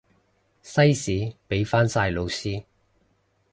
西史畀返晒老師